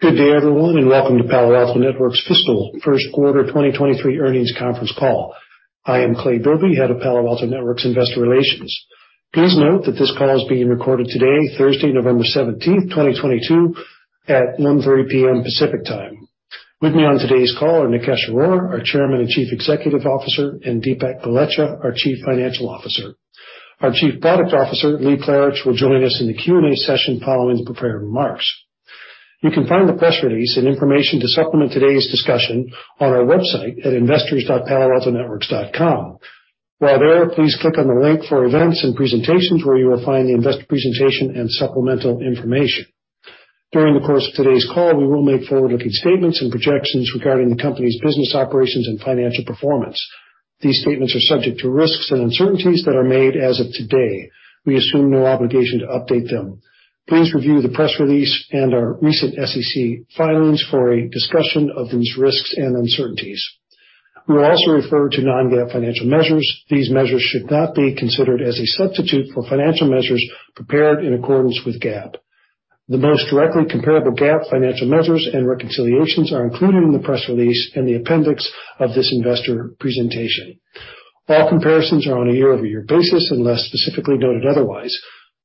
Good day, everyone, and welcome to Palo Alto Networks' fiscal first quarter 2023 earnings conference call. I am Clay Bilby, Head of Palo Alto Networks Investor Relations. Please note that this call is being recorded today, Thursday, November 17th, 2022, at 1:30 P.M. Pacific Time. With me on today's call are Nikesh Arora, our Chairman and Chief Executive Officer, and Dipak Golechha, our Chief Financial Officer. Our Chief Product Officer, Lee Klarich, will join us in the Q&A session following the prepared remarks. You can find the press release and information to supplement today's discussion on our website at investors.paloaltonetworks.com. While there, please click on the link for events and presentations, where you will find the investor presentation and supplemental information. During the course of today's call, we will make forward-looking statements and projections regarding the company's business operations and financial performance. These statements are subject to risks and uncertainties that are made as of today. We assume no obligation to update them. Please review the press release and our recent SEC filings for a discussion of these risks and uncertainties. We will also refer to non-GAAP financial measures. These measures should not be considered as a substitute for financial measures prepared in accordance with GAAP. The most directly comparable GAAP financial measures and reconciliations are included in the press release in the appendix of this investor presentation. All comparisons are on a year-over-year basis unless specifically noted otherwise.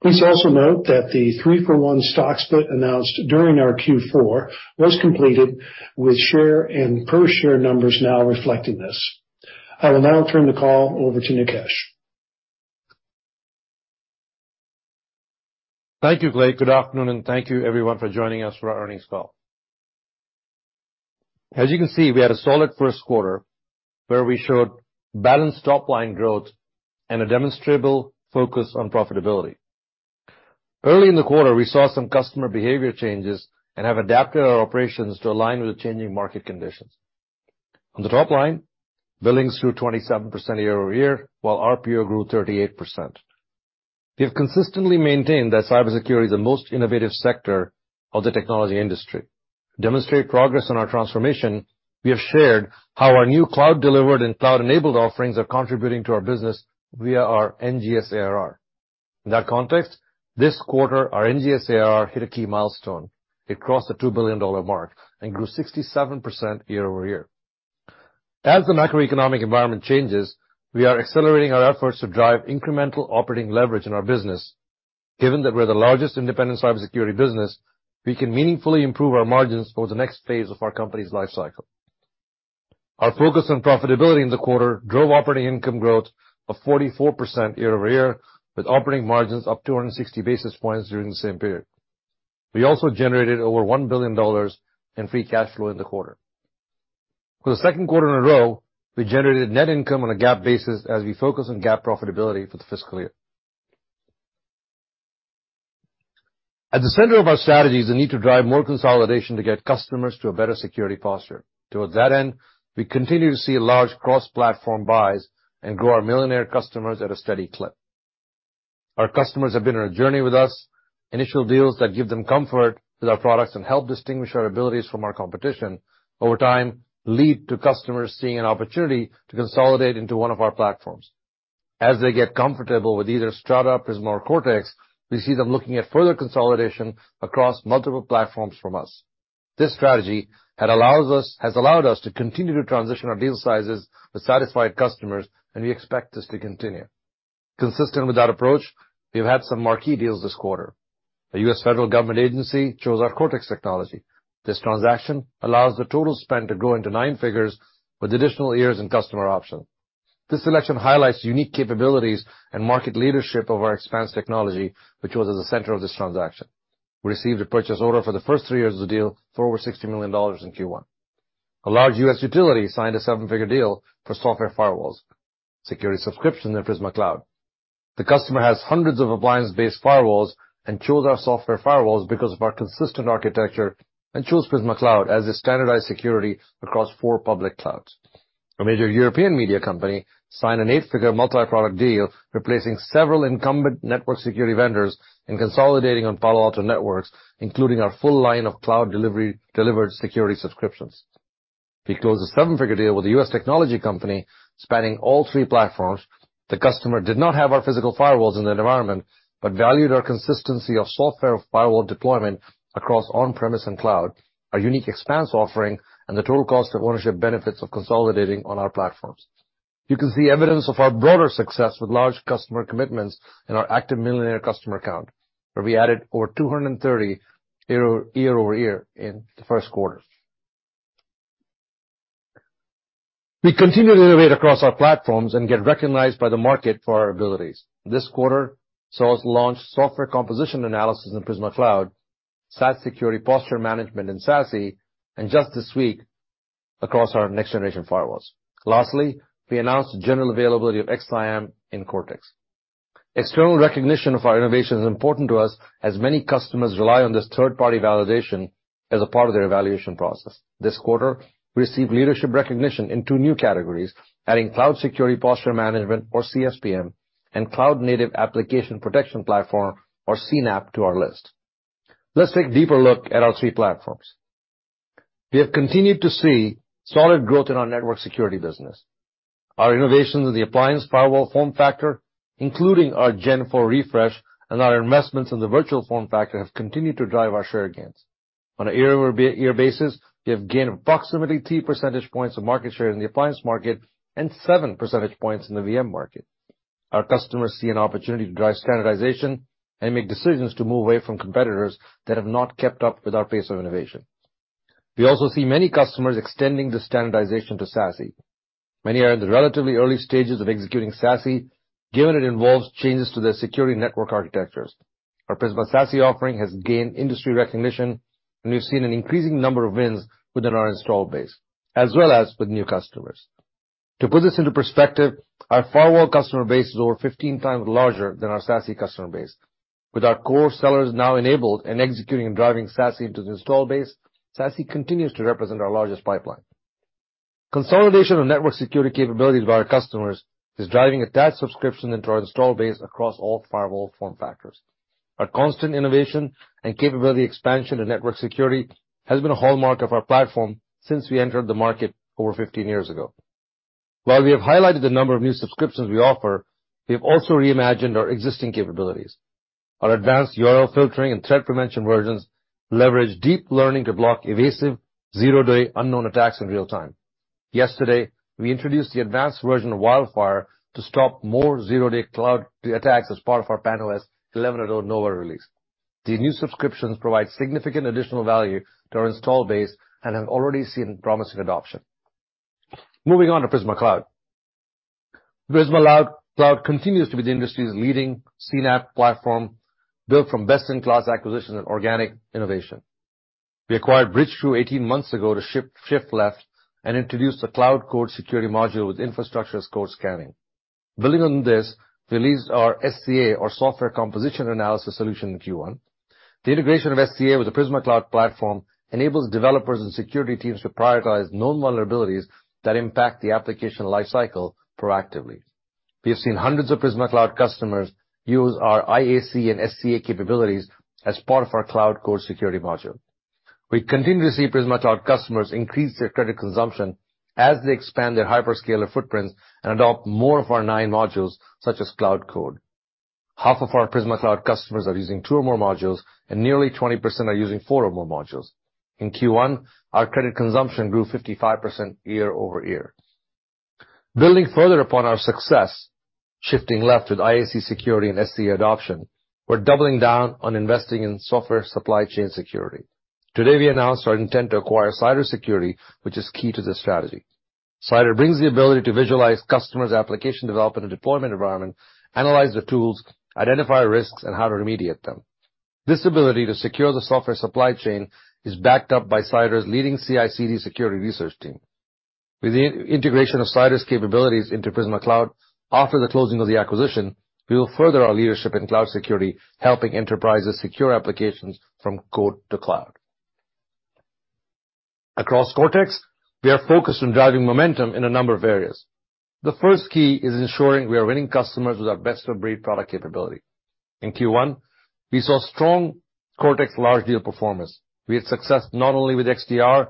Please also note that the 3-for-1 stock split announced during our Q4 was completed with share and per share numbers now reflecting this. I will now turn the call over to Nikesh. Thank you, Clay. Good afternoon and thank you everyone for joining us for our earnings call. As you can see, we had a solid first quarter where we showed balanced top line growth and a demonstrable focus on profitability. Early in the quarter, we saw some customer behavior changes and have adapted our operations to align with the changing market conditions. On the top line, billings grew 27% year-over-year, while RPO grew 38%. We have consistently maintained that cybersecurity is the most innovative sector of the technology industry. Demonstrate progress in our transformation, we have shared how our new cloud-delivered and cloud-enabled offerings are contributing to our business via our NGS ARR. In that context, this quarter, our NGS ARR hit a key milestone. It crossed the $2 billion mark and grew 67% year-over-year. As the macroeconomic environment changes, we are accelerating our efforts to drive incremental operating leverage in our business. Given that we're the largest independent cybersecurity business, we can meaningfully improve our margins over the next phase of our company's life cycle. Our focus on profitability in the quarter drove operating income growth of 44% year-over-year, with operating margins up 260 basis points during the same period. We also generated over $1 billion in free cash flow in the quarter. For the second quarter in a row, we generated net income on a GAAP basis as we focus on GAAP profitability for the fiscal year. At the center of our strategy is the need to drive more consolidation to get customers to a better security posture. Towards that end, we continue to see large cross-platform buys and grow our millionaire customers at a steady clip. Our customers have been on a journey with us. Initial deals that give them comfort with our products and help distinguish our abilities from our competition over time lead to customers seeing an opportunity to consolidate into one of our platforms. As they get comfortable with either Strata, Prisma, or Cortex, we see them looking at further consolidation across multiple platforms from us. This strategy has allowed us to continue to transition our deal sizes with satisfied customers, and we expect this to continue. Consistent with that approach, we've had some marquee deals this quarter. A U.S. federal government agency chose our Cortex technology. This transaction allows the total spend to grow into nine figures with additional years and customer options. This selection highlights unique capabilities and market leadership of our Expanse technology, which was at the center of this transaction. We received a purchase order for the first three years of the deal for over $60 million in Q1. A large U.S. utility signed a seven-figure deal for Software Firewalls, security subscription in Prisma Cloud. The customer has hundreds of appliance-based firewalls and chose our Software Firewalls because of our consistent architecture and chose Prisma Cloud as a standardized security across four public clouds. A major European media company signed an eight-figure multi-product deal, replacing several incumbent network security vendors and consolidating on Palo Alto Networks, including our full line of cloud-delivered security subscriptions. We closed a seven-figure deal with a U.S. technology company spanning all three platforms. The customer did not have our physical firewalls in their environment, but valued our consistency of software firewall deployment across on-premise and cloud, our unique Expanse offering, and the total cost of ownership benefits of consolidating on our platforms. You can see evidence of our broader success with large customer commitments in our active millionaire customer count, where we added over 230 year-over-year in the first quarter. We continue to innovate across our platforms and get recognized by the market for our abilities. This quarter saw us launch software composition analysis in Prisma Cloud, SaaS security posture management in SASE, and just this week across our next-generation firewalls. Lastly, we announced the general availability of XSIAM in Cortex. External recognition of our innovation is important to us, as many customers rely on this third-party validation as a part of their evaluation process. This quarter, we received leadership recognition in 2 new categories, adding cloud security posture management, or CSPM, and cloud-native application protection platform, or CNAPP, to our list. Let's take a deeper look at our 3 platforms. We have continued to see solid growth in our network security business. Our innovations in the appliance firewall form factor, including our Gen 4 refresh and our investments in the virtual form factor, have continued to drive our share gains. On a year-over-year basis, we have gained approximately 3 percentage points of market share in the appliance market and 7 percentage points in the VM market. Our customers see an opportunity to drive standardization and make decisions to move away from competitors that have not kept up with our pace of innovation. We also see many customers extending the standardization to SASE. Many are in the relatively early stages of executing SASE, given it involves changes to their security network architectures. Our Prisma SASE offering has gained industry recognition, and we've seen an increasing number of wins within our install base, as well as with new customers. To put this into perspective, our firewall customer base is over 15x larger than our SASE customer base. With our core sellers now enabled and executing and driving SASE into the install base, SASE continues to represent our largest pipeline. Consolidation of network security capabilities by our customers is driving attach subscription into our install base across all firewall form factors. Our constant innovation and capability expansion in network security has been a hallmark of our platform since we entered the market over 15 years ago. While we have highlighted the number of new subscriptions we offer, we have also reimagined our existing capabilities. Our advanced URL filtering and threat prevention versions leverage deep learning to block evasive zero-day unknown attacks in real time. Yesterday, we introduced the advanced version of WildFire to stop more zero-day cloud attacks as part of our PAN-OS 11.0 Nova release. These new subscriptions provide significant additional value to our install base and have already seen promising adoption. Moving on to Prisma Cloud. Prisma Cloud continues to be the industry's leading CNAPP platform built from best-in-class acquisition and organic innovation. We acquired Bridgecrew 18 months ago to shift left and introduced a Cloud Code Security module with infrastructure as code scanning. Building on this, we released our SCA or Software Composition Analysis solution in Q1. The integration of SCA with the Prisma Cloud platform enables developers and security teams to prioritize known vulnerabilities that impact the application life cycle proactively. We have seen hundreds of Prisma Cloud customers use our IaC and SCA capabilities as part of our Cloud Code Security module. We continue to see Prisma Cloud customers increase their credit consumption as they expand their hyperscaler footprints and adopt more of our nine modules, such as Cloud Code. Half of our Prisma Cloud customers are using two or more modules, and nearly 20% are using four or more modules. In Q1, our credit consumption grew 55% year-over-year. Building further upon our success, shifting left with IaC security and SCA adoption, we're doubling down on investing in software supply chain security. Today, we announced our intent to acquire Cider Security, which is key to this strategy. Cider brings the ability to visualize customers' application development and deployment environment, analyze the tools, identify risks, and how to remediate them. This ability to secure the software supply chain is backed up by Cider's leading CI/CD security research team. With the integration of Cider's capabilities into Prisma Cloud after the closing of the acquisition, we will further our leadership in cloud security, helping enterprises secure applications from code to cloud. Across Cortex, we are focused on driving momentum in a number of areas. The first key is ensuring we are winning customers with our best-of-breed product capability. In Q1, we saw strong Cortex large deal performance. We had success not only with XDR,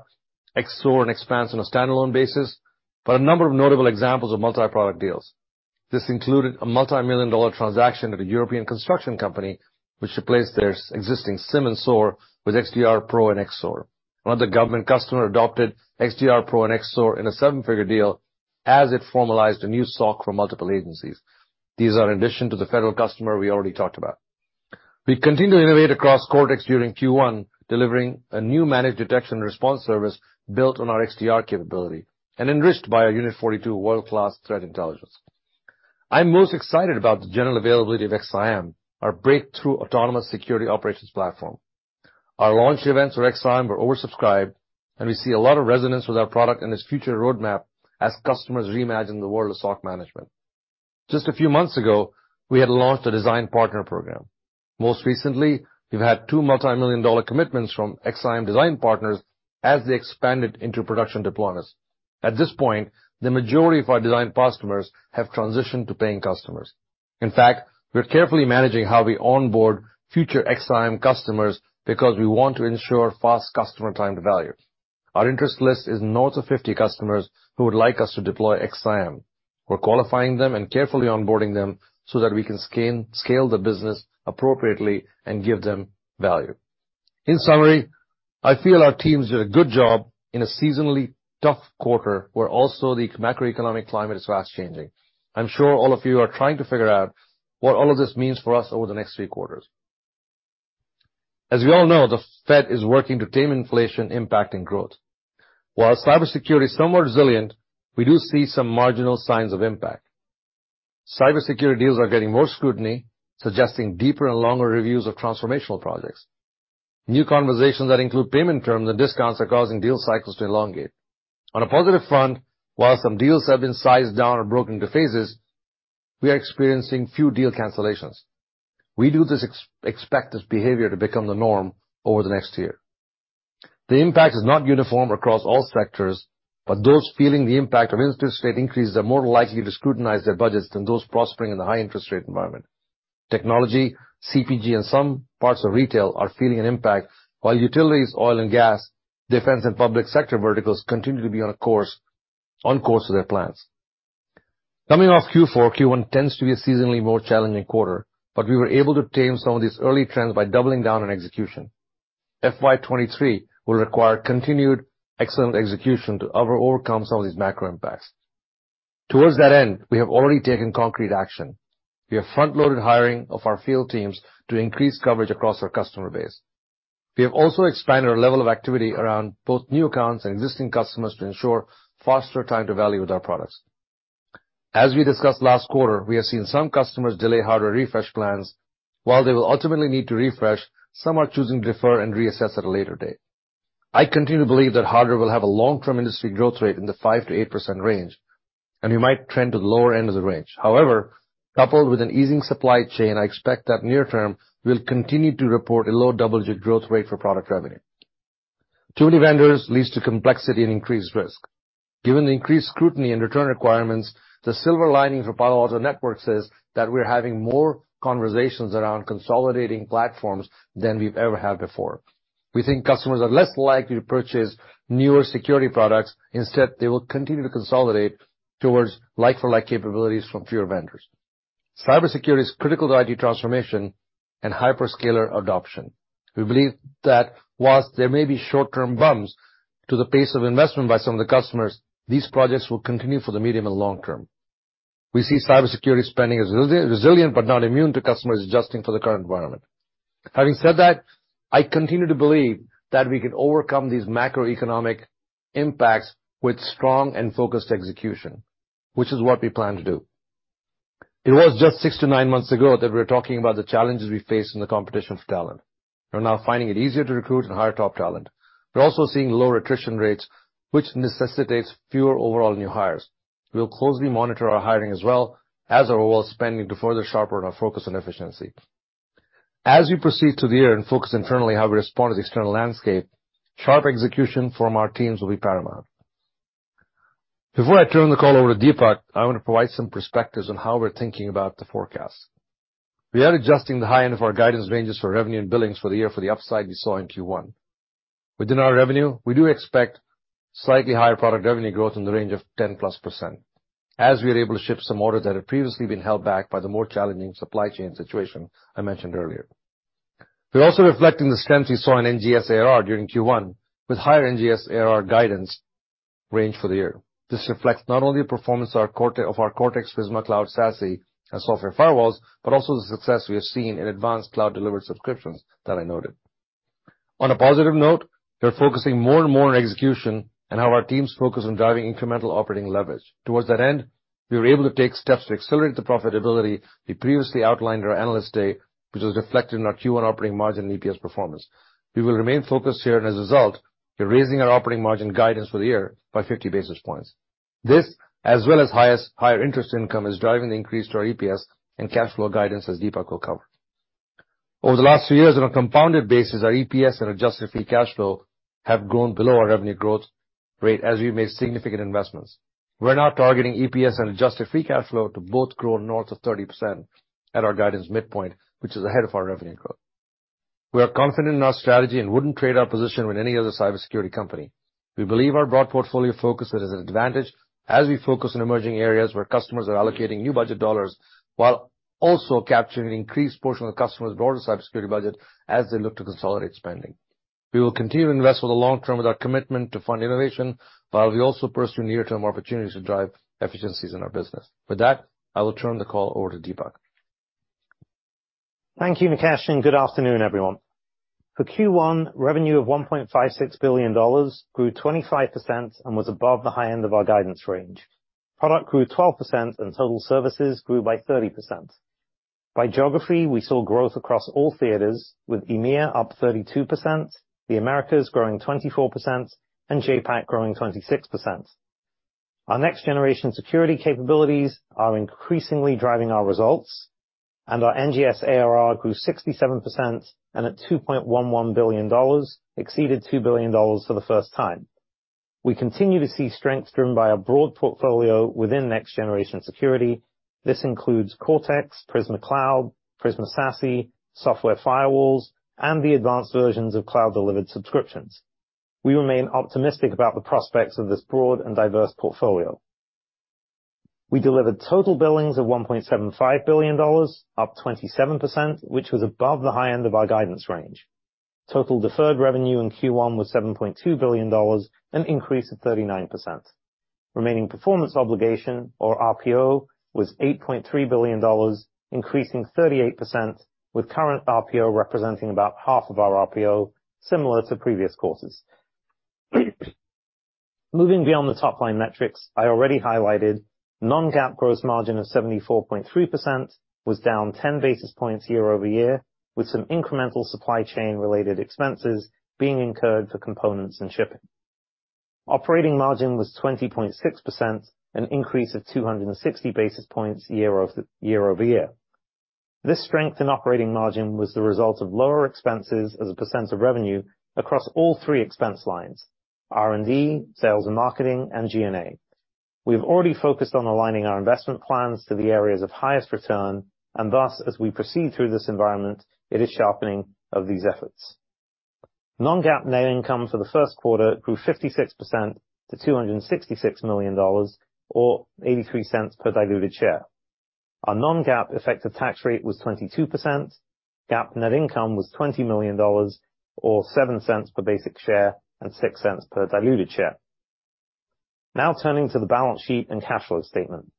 XSOAR, and Expanse on a standalone basis, but a number of notable examples of multi-product deals. This included a multimillion-dollar transaction with a European construction company which replaced their existing SIEM and SOAR with XDR Pro and XSOAR. Another government customer adopted XDR Pro and XSOAR in a seven-figure deal as it formalized a new SOC for multiple agencies. These are in addition to the federal customer we already talked about. We continue to innovate across Cortex during Q1, delivering a new managed detection and response service built on our XDR capability and enriched by our Unit 42 world-class threat intelligence. I'm most excited about the general availability of XSIAM, our breakthrough autonomous security operations platform. Our launch events for XSIAM were oversubscribed, and we see a lot of resonance with our product and its future roadmap as customers reimagine the world of SOC management. Just a few months ago, we had launched a design partner program. Most recently, we've had two multimillion-dollar commitments from XSIAM design partners as they expanded into production deployments. At this point, the majority of our design customers have transitioned to paying customers. In fact, we're carefully managing how we onboard future XSIAM customers because we want to ensure fast customer time to value. Our interest list is north of 50 customers who would like us to deploy XSIAM. We're qualifying them and carefully onboarding them so that we can scale the business appropriately and give them value. In summary, I feel our teams did a good job in a seasonally tough quarter, where also the macroeconomic climate is fast changing. I'm sure all of you are trying to figure out what all of this means for us over the next three quarters. As you all know, the Fed is working to tame inflation impacting growth. While cybersecurity is somewhat resilient, we do see some marginal signs of impact. Cybersecurity deals are getting more scrutiny, suggesting deeper and longer reviews of transformational projects. New conversations that include payment terms and discounts are causing deal cycles to elongate. On a positive front, while some deals have been sized down or broken into phases, we are experiencing few deal cancellations. We do expect this behavior to become the norm over the next year. The impact is not uniform across all sectors, but those feeling the impact of interest rate increases are more likely to scrutinize their budgets than those prospering in the high interest rate environment. Technology, CPG, and some parts of retail are feeling an impact, while utilities, oil and gas, defense, and public sector verticals continue to be on course with their plans. Coming off Q4, Q1 tends to be a seasonally more challenging quarter, but we were able to tame some of these early trends by doubling down on execution. FY 2023 will require continued excellent execution to overcome some of these macro impacts. Towards that end, we have already taken concrete action. We have front-loaded hiring of our field teams to increase coverage across our customer base. We have also expanded our level of activity around both new accounts and existing customers to ensure faster time to value with our products. As we discussed last quarter, we have seen some customers delay hardware refresh plans. While they will ultimately need to refresh, some are choosing to defer and reassess at a later date. I continue to believe that hardware will have a long-term industry growth rate in the 5%-8% range, and we might trend to the lower end of the range. However, coupled with an easing supply chain, I expect that near term we'll continue to report a low double-digit growth rate for product revenue. Too many vendors leads to complexity and increased risk. Given the increased scrutiny and return requirements, the silver lining for Palo Alto Networks is that we're having more conversations around consolidating platforms than we've ever had before. We think customers are less likely to purchase newer security products. Instead, they will continue to consolidate towards like-for-like capabilities from fewer vendors. Cybersecurity is critical to I.T. transformation and hyperscaler adoption. We believe that whilst there may be short-term bumps to the pace of investment by some of the customers, these projects will continue for the medium and long term. We see cybersecurity spending as resilient but not immune to customers adjusting to the current environment. Having said that, I continue to believe that we can overcome these macroeconomic impacts with strong and focused execution, which is what we plan to do. It was just 6-9 months ago that we were talking about the challenges we face in the competition for talent. We're now finding it easier to recruit and hire top talent. We're also seeing low attrition rates, which necessitates fewer overall new hires. We'll closely monitor our hiring as well as overall spending to further sharpen our focus on efficiency. As we proceed through the year and focus internally how we respond to the external landscape, sharp execution from our teams will be paramount. Before I turn the call over to Dipak, I want to provide some perspectives on how we're thinking about the forecast. We are adjusting the high end of our guidance ranges for revenue and billings for the year for the upside we saw in Q1. Within our revenue, we do expect slightly higher product revenue growth in the range of 10%+, as we are able to ship some orders that have previously been held back by the more challenging supply chain situation I mentioned earlier. We're also reflecting the strength we saw in NGS ARR during Q1, with higher NGS ARR guidance range for the year. This reflects not only the performance of our Cortex, Prisma Cloud, SASE, and Software Firewalls, but also the success we have seen in advanced cloud-delivered subscriptions that I noted. On a positive note, we're focusing more and more on execution and how our teams focus on driving incremental operating leverage. Towards that end, we were able to take steps to accelerate the profitability we previously outlined at our Analyst Day, which was reflected in our Q1 operating margin and EPS performance. We will remain focused here, and as a result, we're raising our operating margin guidance for the year by 50 basis points. This, as well as higher interest income, is driving the increase to our EPS and cash flow guidance, as Dipak will cover. Over the last few years, on a compounded basis, our EPS and adjusted free cash flow have grown below our revenue growth rate as we've made significant investments. We're now targeting EPS and adjusted free cash flow to both grow north of 30% at our guidance midpoint, which is ahead of our revenue growth. We are confident in our strategy and wouldn't trade our position with any other cybersecurity company. We believe our broad portfolio focus is an advantage as we focus on emerging areas where customers are allocating new budget dollars, while also capturing an increased portion of the customer's broader cybersecurity budget as they look to consolidate spending. We will continue to invest for the long term with our commitment to fund innovation, while we also pursue near-term opportunities to drive efficiencies in our business. With that, I will turn the call over to Dipak. Thank you, Nikesh, and good afternoon, everyone. For Q1, revenue of $1.56 billion grew 25% and was above the high end of our guidance range. Product grew 12% and total services grew by 30%. By geography, we saw growth across all theaters, with EMEA up 32%, the Americas growing 24%, and JAPAC growing 26%. Our next-generation security capabilities are increasingly driving our results, and our NGS ARR grew 67% and at $2.11 billion exceeded $2 billion for the first time. We continue to see strength driven by our broad portfolio within next-generation security. This includes Cortex, Prisma Cloud, Prisma SASE, Software Firewalls, and the advanced versions of cloud-delivered subscriptions. We remain optimistic about the prospects of this broad and diverse portfolio. We delivered total billings of $1.75 billion, up 27%, which was above the high end of our guidance range. Total deferred revenue in Q1 was $7.2 billion, an increase of 39%. Remaining performance obligation or RPO was $8.3 billion, increasing 38%, with current RPO representing about half of our RPO, similar to previous quarters. Moving beyond the top-line metrics I already highlighted, non-GAAP gross margin of 74.3% was down 10 basis points year-over-year, with some incremental supply chain-related expenses being incurred for components and shipping. Operating margin was 20.6%, an increase of 260 basis points year-over-year. This strength in operating margin was the result of lower expenses as a percent of revenue across all three expense lines, R&D, sales and marketing, and G&A. We've already focused on aligning our investment plans to the areas of highest return, and thus, as we proceed through this environment, it is sharpening of these efforts. Non-GAAP net income for the first quarter grew 56% to $266 million, or $0.83 per diluted share. Our non-GAAP effective tax rate was 22%. GAAP net income was $20 million, or $0.07 per basic share and $0.06 per diluted share. Now turning to the balance sheet and cash flow statement.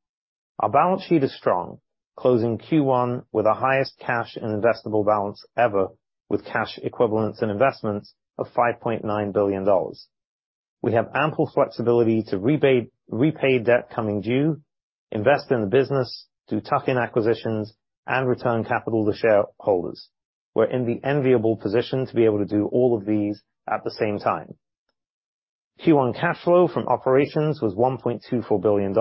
Our balance sheet is strong, closing Q1 with our highest cash and investable balance ever, with cash equivalents and investments of $5.9 billion. We have ample flexibility to repay debt coming due, invest in the business, do tuck-in acquisitions, and return capital to shareholders. We're in the enviable position to be able to do all of these at the same time. Q1 cash flow from operations was $1.24 billion.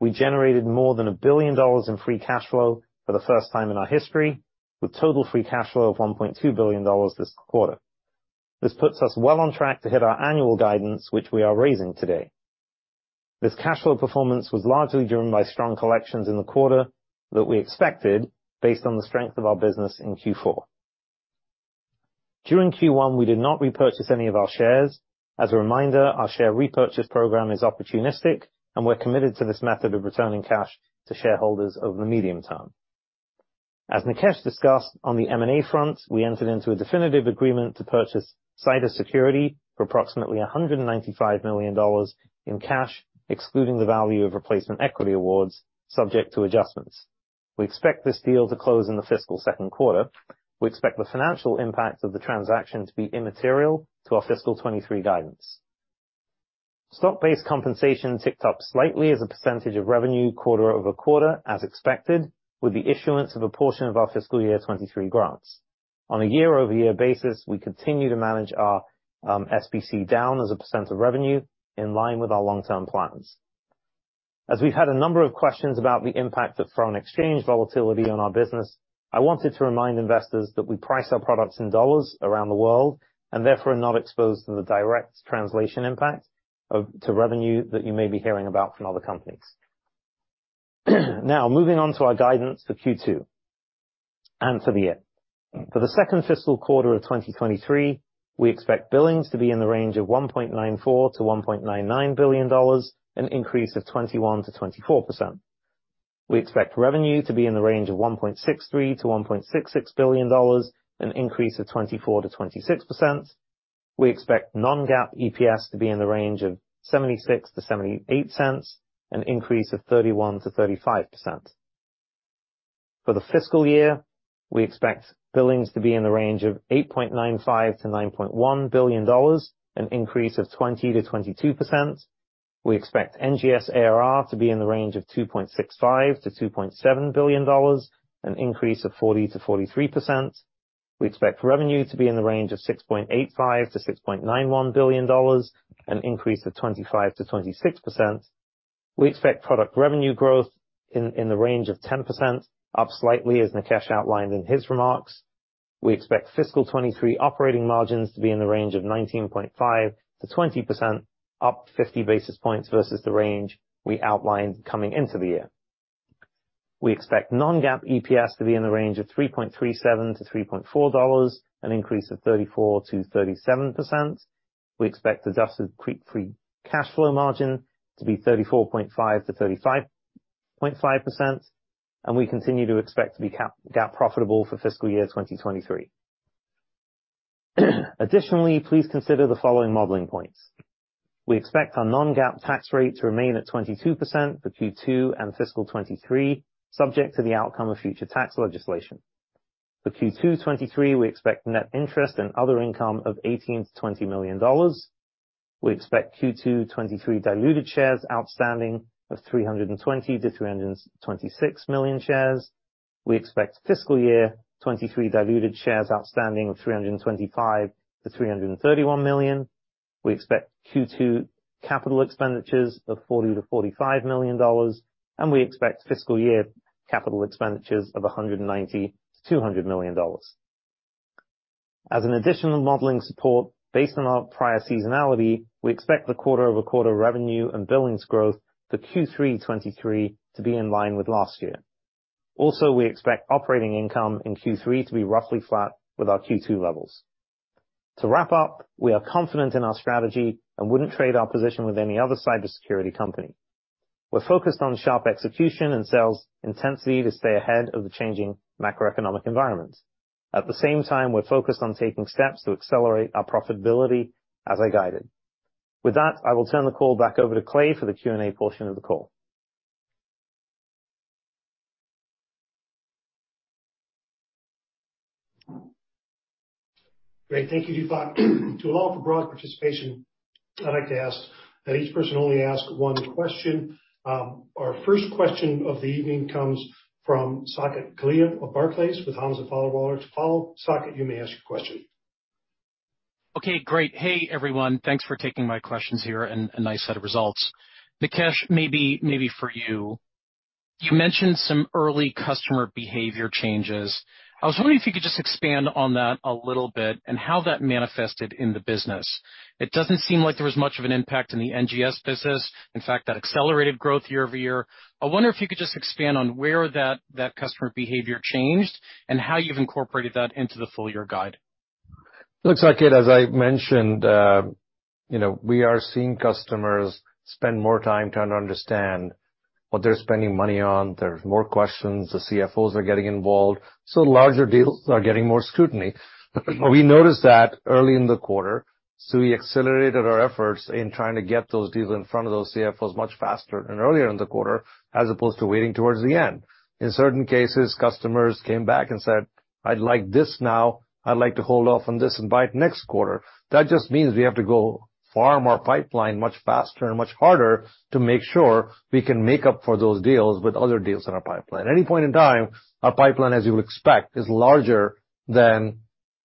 We generated more than $1 billion in free cash flow for the first time in our history, with total free cash flow of $1.2 billion this quarter. This puts us well on track to hit our annual guidance, which we are raising today. This cash flow performance was largely driven by strong collections in the quarter that we expected based on the strength of our business in Q4. During Q1, we did not repurchase any of our shares. As a reminder, our share repurchase program is opportunistic, and we're committed to this method of returning cash to shareholders over the medium term. As Nikesh discussed on the M&A front, we entered into a definitive agreement to purchase Cider Security for approximately $195 million in cash, excluding the value of replacement equity awards subject to adjustments. We expect this deal to close in the fiscal second quarter. We expect the financial impact of the transaction to be immaterial to our fiscal 2023 guidance. Stock-based compensation ticked up slightly as a percentage of revenue quarter-over-quarter, as expected, with the issuance of a portion of our fiscal year 2023 grants. On a year-over-year basis, we continue to manage our SBC down as a percentage of revenue in line with our long-term plans. As we've had a number of questions about the impact of foreign exchange volatility on our business, I wanted to remind investors that we price our products in dollars around the world and therefore are not exposed to the direct translation impact to revenue that you may be hearing about from other companies. Now, moving on to our guidance for Q2 and for the year. For the second fiscal quarter of 2023, we expect billings to be in the range of $1.94 billion-$1.99 billion, an increase of 21%-24%. We expect revenue to be in the range of $1.63 billion-$1.66 billion, an increase of 24%-26%. We expect non-GAAP EPS to be in the range of $0.76-$0.78, an increase of 31%-35%. For the fiscal year, we expect billings to be in the range of $8.95 billion-$9.1 billion, an increase of 20%-22%. We expect NGS ARR to be in the range of $2.65 billion-$2.7 billion, an increase of 40%-43%. We expect revenue to be in the range of $6.85 billion-$6.91 billion, an increase of 25%-26%. We expect product revenue growth in the range of 10%, up slightly as Nikesh outlined in his remarks. We expect fiscal 2023 operating margins to be in the range of 19.5%-20%, up 50 basis points versus the range we outlined coming into the year. We expect non-GAAP EPS to be in the range of $3.37-$3.40, an increase of 34%-37%. We expect adjusted free cash flow margin to be 34.5%-35.5%, and we continue to expect to be GAAP profitable for fiscal year 2023. Additionally, please consider the following modeling points. We expect our non-GAAP tax rate to remain at 22% for Q2 and fiscal 2023, subject to the outcome of future tax legislation. For Q2 2023, we expect net interest and other income of $18 million-$20 million. We expect Q2 2023 diluted shares outstanding of 320 million-326 million shares. We expect fiscal year 2023 diluted shares outstanding of 325 million-331 million. We expect Q2 capital expenditures of $40 million-$45 million, and we expect fiscal year capital expenditures of a hundred and ninety to two hundred million dollars. As an additional modeling support, based on our prior seasonality, we expect the quarter-over-quarter revenue and billings growth for Q3 2023 to be in line with last year. Also, we expect operating income in Q3 to be roughly flat with our Q2 levels. To wrap up, we are confident in our strategy and wouldn't trade our position with any other cybersecurity company. We're focused on sharp execution and sales intensity to stay ahead of the changing macroeconomic environment. At the same time, we're focused on taking steps to accelerate our profitability as I guided. With that, I will turn the call back over to Clay for the Q&A portion of the call. Great. Thank you, Dipak. To allow for broad participation, I'd like to ask that each person only ask one question. Our first question of the evening comes from Saket Kalia of Barclays, with Hamza Fodderwala to follow. Saket, you may ask your question. Okay, great. Hey, everyone. Thanks for taking my questions here, and a nice set of results. Nikesh, maybe for you. You mentioned some early customer behavior changes. I was wondering if you could just expand on that a little bit and how that manifested in the business. It doesn't seem like there was much of an impact in the NGS business. In fact, that accelerated growth year-over-year. I wonder if you could just expand on where that customer behavior changed and how you've incorporated that into the full year guide. Looks like it. As I mentioned, you know, we are seeing customers spend more time trying to understand what they're spending money on. There's more questions. The CFOs are getting involved, so larger deals are getting more scrutiny. We noticed that early in the quarter, so we accelerated our efforts in trying to get those deals in front of those CFOs much faster and earlier in the quarter, as opposed to waiting towards the end. In certain cases, customers came back and said, "I'd like this now. I'd like to hold off on this and buy it next quarter." That just means we have to go farm our pipeline much faster and much harder to make sure we can make up for those deals with other deals in our pipeline. Any point in time, our pipeline, as you would expect, is larger than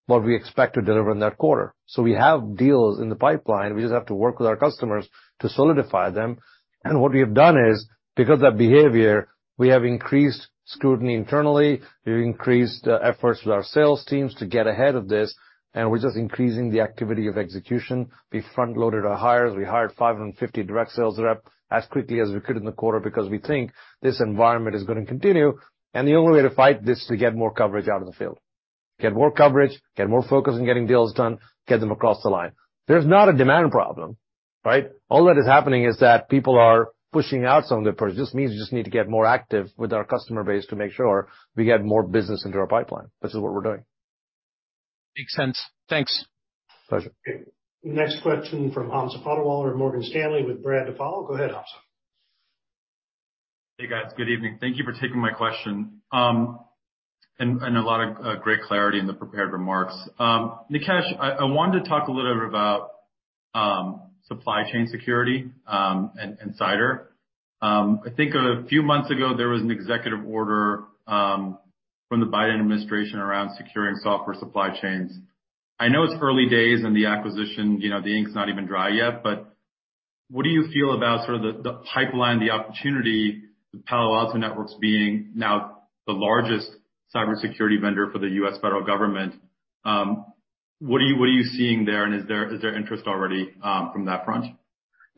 what we expect to deliver in that quarter. We have deals in the pipeline. We just have to work with our customers to solidify them. What we have done is, because of that behavior, we have increased scrutiny internally. We've increased efforts with our sales teams to get ahead of this, and we're just increasing the activity of execution. We front-loaded our hires. We hired 550 direct sales rep as quickly as we could in the quarter because we think this environment is gonna continue, and the only way to fight this is to get more coverage out in the field. Get more coverage, get more focus on getting deals done, get them across the line. There's not a demand problem, right? All that is happening is that people are pushing out some of the purchases. It just means we just need to get more active with our customer base to make sure we get more business into our pipeline. This is what we're doing. Makes sense. Thanks. Pleasure. Next question from Hamza Fodderwala of Morgan Stanley, with Brad to follow. Go ahead, Hamza. Hey, guys. Good evening. Thank you for taking my question. A lot of great clarity in the prepared remarks. Nikesh, I wanted to talk a little bit about supply chain security and Cider. I think a few months ago, there was an executive order from the Biden administration around securing software supply chains. I know it's early days in the acquisition, you know, the ink's not even dry yet. What do you feel about sort of the pipeline, the opportunity with Palo Alto Networks being now the largest cybersecurity vendor for the U.S. federal government? What are you seeing there, and is there interest already from that front?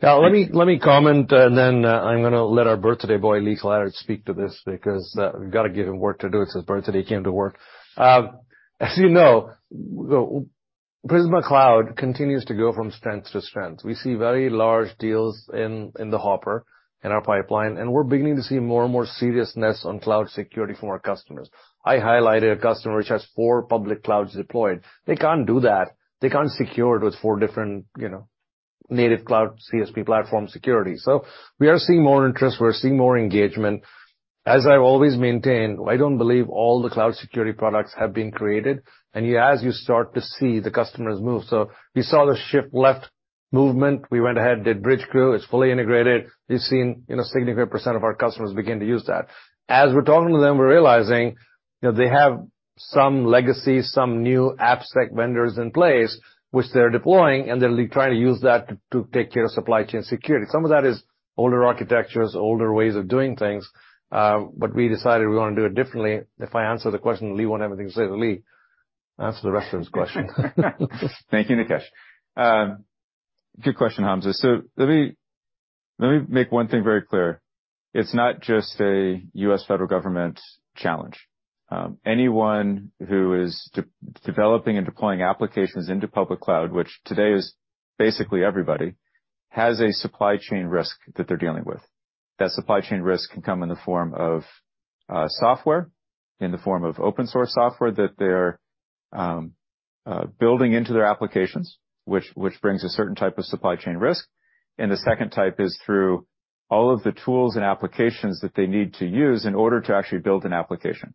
Now let me comment, and then I'm gonna let our birthday boy, Lee Klarich, speak to this because we've gotta give him work to do. It's his birthday. He came to work. As you know, the Prisma Cloud continues to go from strength to strength. We see very large deals in the hopper in our pipeline, and we're beginning to see more and more seriousness on cloud security from our customers. I highlighted a customer which has 4 public clouds deployed. They can't do that. They can't secure it with 4 different, you know, native cloud CSP platform security. We are seeing more interest. We're seeing more engagement. As I've always maintained, I don't believe all the cloud security products have been created, and as you start to see the customers move. We saw the shift left movement. We went ahead and did Bridgecrew. It's fully integrated. We've seen, you know, a significant % of our customers begin to use that. As we're talking to them, we're realizing, you know, they have some legacy, some new AppSec vendors in place which they're deploying, and they're trying to use that to take care of supply chain security. Some of that is older architectures, older ways of doing things. We decided we wanna do it differently. If I answer the question, Lee won't have anything to say. Lee, answer the rest of his question. Thank you, Nikesh. Good question, Hamza. Let me make one thing very clear. It's not just a U.S. federal government challenge. Anyone who is developing and deploying applications into public cloud, which today is basically everybody, has a supply chain risk that they're dealing with. That supply chain risk can come in the form of software, in the form of open source software that they're building into their applications, which brings a certain type of supply chain risk. The second type is through all of the tools and applications that they need to use in order to actually build an application.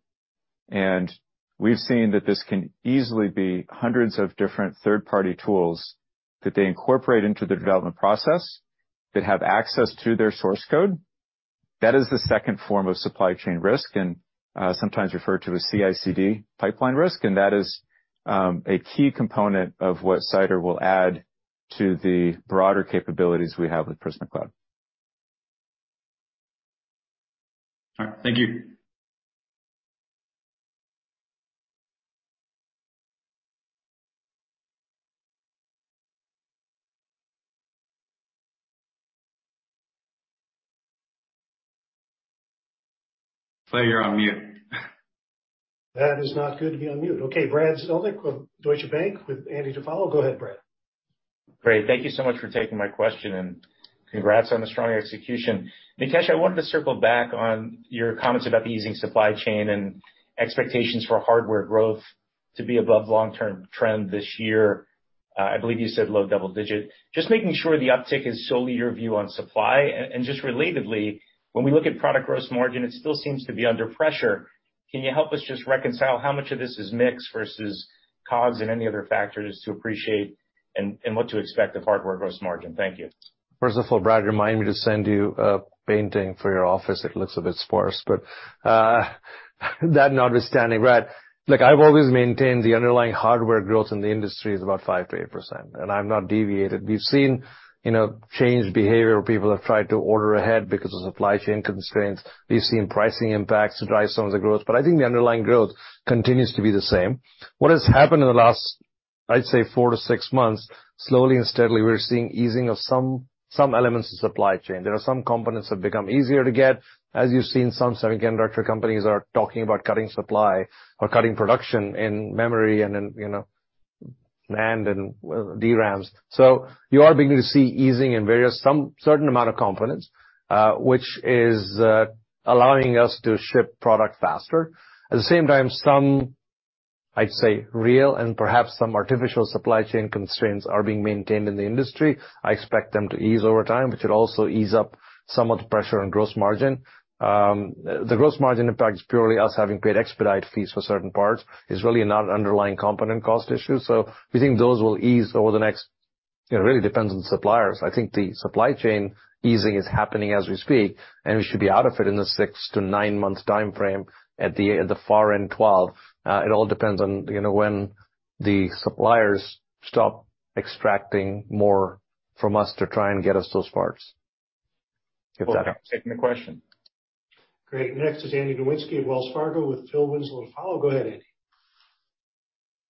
We've seen that this can easily be hundreds of different third-party tools that they incorporate into the development process that have access to their source code. That is the second form of supply chain risk and sometimes referred to as CI/CD pipeline risk. That is a key component of what Cider will add to the broader capabilities we have with Prisma Cloud. All right. Thank you. Clay, you're on mute. That is not good to be on mute. Okay, Brad Zelnick with Deutsche Bank, with Andy to follow. Go ahead, Brad. Great. Thank you so much for taking my question, and congrats on the strong execution. Nikesh, I wanted to circle back on your comments about the easing supply chain and expectations for hardware growth to be above long-term trend this year. I believe you said low double-digit. Just making sure the uptick is solely your view on supply. Just relatedly, when we look at product gross margin, it still seems to be under pressure. Can you help us just reconcile how much of this is mix versus COGS and any other factors to appreciate and what to expect of hardware gross margin? Thank you. First of all, Brad, remind me to send you a painting for your office. It looks a bit sparse. That notwithstanding, Brad, look, I've always maintained the underlying hardware growth in the industry is about 5%-8%, and I've not deviated. We've seen, you know, changed behavior where people have tried to order ahead because of supply chain constraints. We've seen pricing impacts drive some of the growth. I think the underlying growth continues to be the same. What has happened in the last, I'd say four to six months, slowly and steadily, we're seeing easing of some elements of supply chain. There are some components that have become easier to get. As you've seen, some semiconductor companies are talking about cutting supply or cutting production in memory and in, you know, NAND and DRAMs. You are beginning to see easing in some certain amount of components, which is allowing us to ship product faster. At the same time, some I'd say real and perhaps some artificial supply chain constraints are being maintained in the industry. I expect them to ease over time, which would also ease up some of the pressure on gross margin. The gross margin impact is purely us having paid expedite fees for certain parts. It's really not an underlying component cost issue, so we think those will ease. It really depends on suppliers. I think the supply chain easing is happening as we speak, and we should be out of it in the 6-9-month timeframe, at the far end 12. It all depends on, you know, when the suppliers stop extracting more from us to try and get us those parts. If that helps. Okay. Taking the question. Great. Next is Andrew Nowinski of Wells Fargo, with Phil Winslow to follow. Go ahead, Andy.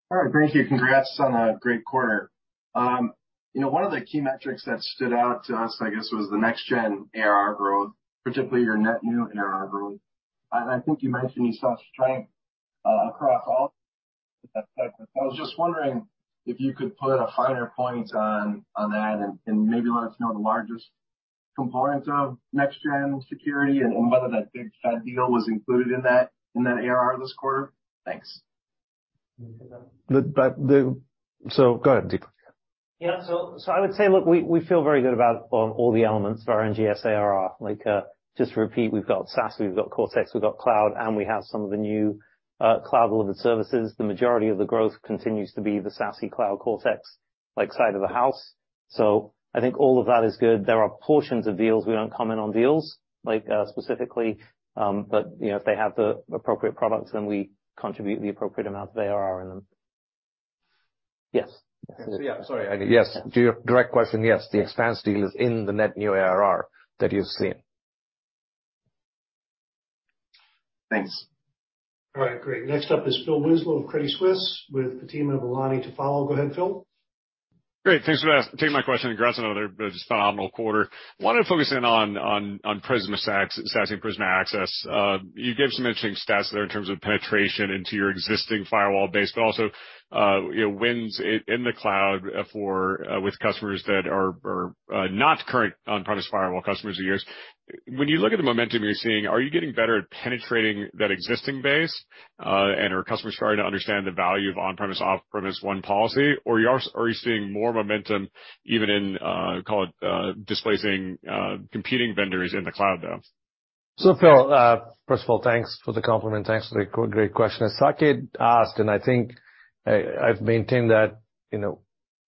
All right, thank you. Congrats on a great quarter. You know, one of the key metrics that stood out to us, I guess, was the NGS ARR growth, particularly your net new ARR growth. I think you mentioned you saw strength across all of them. I was just wondering if you could put a finer point on that and maybe let us know the largest components of Next-Generation Security and whether that big deal was included in that ARR this quarter. Thanks. Go ahead, Dipak. Yeah. I would say, look, we feel very good about on all the elements of our NGS ARR. Like, just to repeat, we've got SaaS, we've got Cortex, we've got Cloud, and we have some of the new cloud-delivered services. The majority of the growth continues to be the SASE, Cloud, Cortex, like, side of the house. I think all of that is good. There are portions of deals. We don't comment on deals, like, specifically, but, you know, if they have the appropriate products, then we contribute the appropriate amount of ARR in them. Yes. Yeah. Sorry, I didn't. Yes. To your direct question, yes. The Expanse deal is in the net new ARR that you've seen. Thanks. All right. Great. Next up is Phil Winslow of Credit Suisse with Fatima Boolani to follow. Go ahead, Phil. Great. Thanks for taking my question, and congrats on another just phenomenal quarter. Wanted to focus in on Prisma SASE, Prisma Access. You gave some interesting stats there in terms of penetration into your existing firewall base, but also, you know, wins in the cloud with customers that are not current on-premise firewall customers of yours. When you look at the momentum you're seeing, are you getting better at penetrating that existing base, and are customers starting to understand the value of on-premise, off-premise one policy? Are you seeing more momentum even in, call it, displacing competing vendors in the cloud, though? Phil, first of all, thanks for the compliment. Thanks for the great question. As Saket asked, and I think I've maintained that, you know,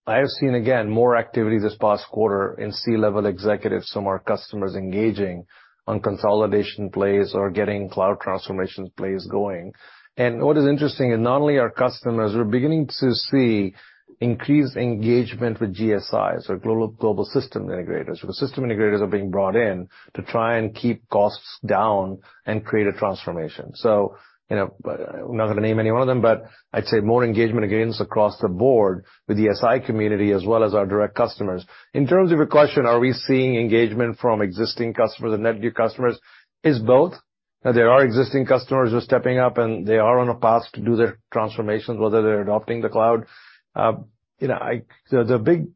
I have seen again more activity this past quarter in C-level executives from our customers engaging on consolidation plays or getting cloud transformation plays going. What is interesting is not only our customers, we're beginning to see increased engagement with GSIs or global system integrators, where system integrators are being brought in to try and keep costs down and create a transformation. You know, I'm not gonna name any one of them, but I'd say more engagement, again, is across the board with the S.I. community as well as our direct customers. In terms of your question, are we seeing engagement from existing customers or net new customers, is both. There are existing customers who are stepping up, and they are on a path to do their transformations, whether they're adopting the cloud. You know, the big